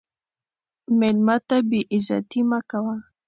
مېلمه ته بې عزتي مه کوه.